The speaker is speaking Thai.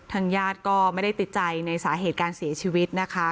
ทางญาติก็ไม่ได้ติดใจในสาเหตุการเสียชีวิตนะคะ